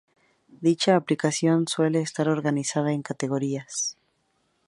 Dicha aplicación suele estar organizada en categorías.